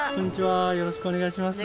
よろしくお願いします。